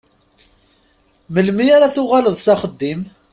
Melmi ara tuɣaleḍ s axeddim?